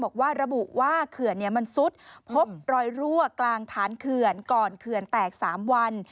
ระบุว่าเขื่อนมันซุดพบรอยรั่วกลางฐานเขื่อนก่อนเขื่อนแตก๓วัน